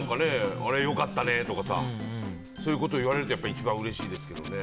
あれ良かったねとかさそういうことを言われると一番うれしいですけどね。